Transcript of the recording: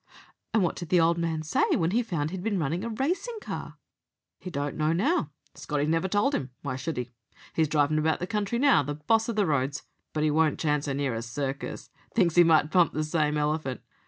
"And what did the old man say when he found he'd been running a racing car?" "He don't know now. Scotty never told 'im. Why should he? He's drivin' about the country now, the boss of the roads, but he won't chance her near a circus. Thinks he might bump the same elephant.